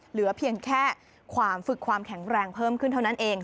เหลือเพียงแค่ความฝึกความแข็งแรงเพิ่มขึ้นเท่านั้นเอง